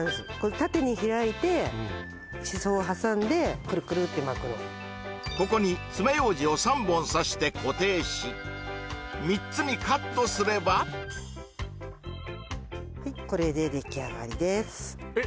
縦に開いてシソを挟んでくるくるって巻くのがここに爪楊枝を３本刺して固定し３つにカットすればはいこれでできあがりですえっ